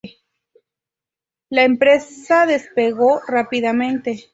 La empresa despegó rápidamente.